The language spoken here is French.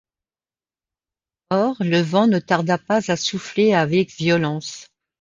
Or le vent ne tarda pas à souffler avec violence.